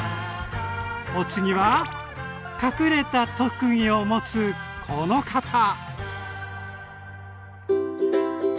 お次は隠れた特技を持つこの方！